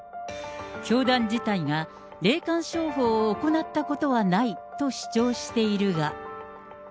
教団自体が霊感商法を行ったことはないと主張しているが。